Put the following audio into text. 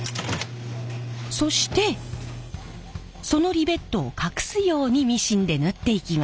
そしてそのリベットを隠すようにミシンで縫っていきます。